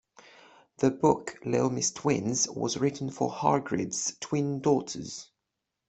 The book Little Miss Twins was written for Hargreaves' twin daughters.